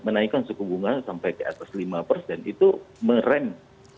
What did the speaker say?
menaikkan suku bunga sampai ke atas lima persen itu merem